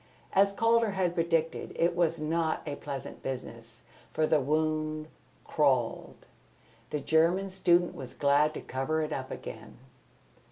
As Calder had predicted, it was not a pleasant business; for the wound crawled. The German student was glad to cover it up again.